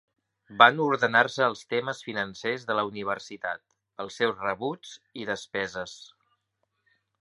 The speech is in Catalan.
Van ordenar-se els temes financers de la universitat, els seus rebuts i despeses.